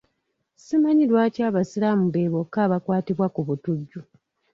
Simanyi lwaki Abasiraamu be bokka abakwatibwa ku butujju.